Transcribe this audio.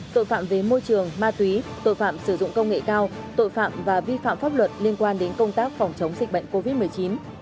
tội phạm về môi trường ma túy tội phạm sử dụng công nghệ cao tội phạm và vi phạm pháp luật liên quan đến công tác phòng chống dịch bệnh covid một mươi chín